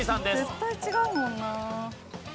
絶対違うもんな。